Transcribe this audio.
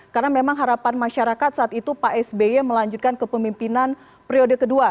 karena memang harapan masyarakat saat itu pak sby melanjutkan ke pemimpinan periode kedua